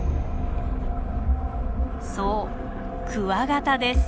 そうクワガタです。